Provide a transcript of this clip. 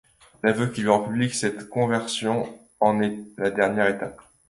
L'aveu qui rend publique cette conversion en est la dernière étape.